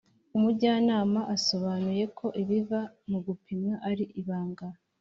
umujyanama asobanuyeko ibiva mu gupimwa ari ibanga,